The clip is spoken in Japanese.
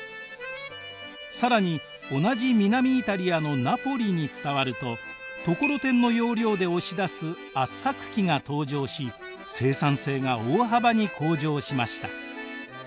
更に同じ南イタリアのナポリに伝わるとところてんの要領で押し出す圧搾機が登場し生産性が大幅に向上しました。